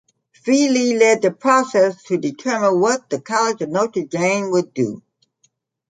Feeley led the process to determine what the College of Notre Dame would do.